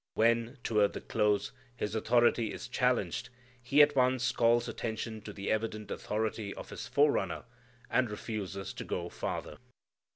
When, toward the close, His authority is challenged, He at once calls attention to the evident authority of His forerunner and refuses to go farther.